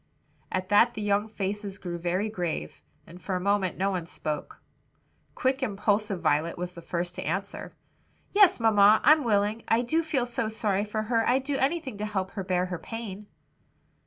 At that the young faces grew very grave, and for a moment no one spoke. Quick, impulsive Violet was the first to answer. "Yes, mamma, I'm willing; I do feel so sorry for her I'd do anything to help her bear her pain."